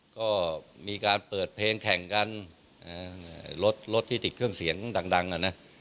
ก็มีการเปิดเพลงแข่งกันรถรถที่ติดเครื่องเสียงดังอ่ะนะ